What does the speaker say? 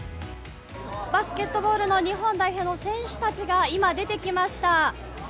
バスケットボールの日本代表の選手たちが今、出てきました。